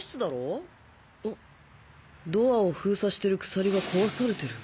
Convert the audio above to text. ドアを封鎖してる鎖が壊されてる。